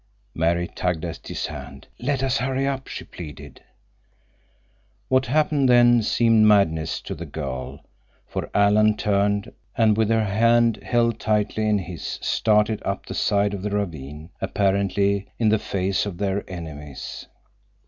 Mary tugged at his hand. "Let us hurry," she pleaded. What happened then seemed madness to the girl, for Alan turned and with her hand held tightly in his started up the side of the ravine, apparently in the face of their enemies.